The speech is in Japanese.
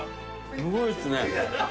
すごいっすね。